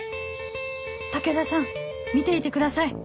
武田さん見ていてください